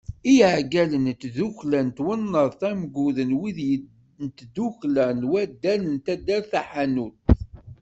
I Iɛeggalen n tddukkla n twennaḍt Amgud d wid n tdukkla n waddal n taddart Taḥanut.